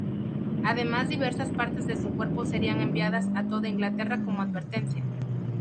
Además, diversas partes de su cuerpo serían enviadas a toda Inglaterra como advertencia.